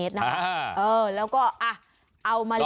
รอบเอวเท่าไหร่